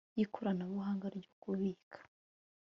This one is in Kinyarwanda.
y ikoranabuhanga ryo kubika